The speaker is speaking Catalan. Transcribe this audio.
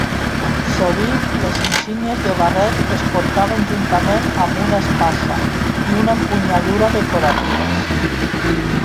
Sovint les insígnies de barret es portaven juntament amb una espasa i una empunyadura decoratives.